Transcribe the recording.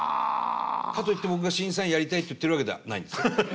かといって僕が審査員やりたいって言ってるわけではないんですよ。